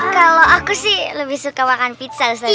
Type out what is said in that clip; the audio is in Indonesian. kalau aku sih lebih suka makan pizza ustaz ziaulia